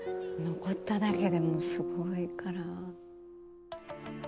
残っただけでもすごいから。